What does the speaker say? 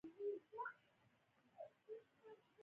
د سبزیجاتو تازه والي د بازار د اړتیا سره برابر شي.